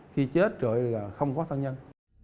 khi chết rồi là không có thân nhân